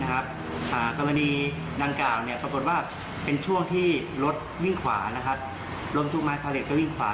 กรรมนี้นางก่าวปรากฏว่าเป็นช่วงที่รถวิ่งขวา